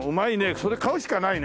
それ買うしかないね。